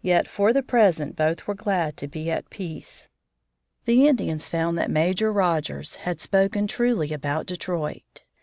Yet for the present both were glad to be at peace. The Indians found that Major Rogers had spoken truly about Detroit.